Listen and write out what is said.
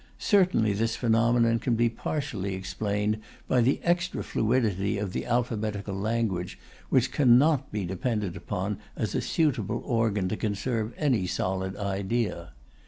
Certainly this phenomenon can be partially explained by the extra fluidity of the alphabetical language which cannot be depended upon as a suitable organ to conserve any solid idea.